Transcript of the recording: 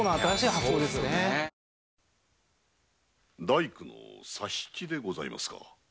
大工の佐七でございますか？